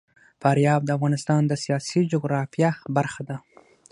فاریاب د افغانستان د سیاسي جغرافیه برخه ده.